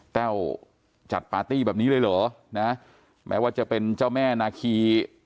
แต้วจัดปาร์ตี้แบบนี้เลยเหรอนะแม้ว่าจะเป็นเจ้าแม่นาคี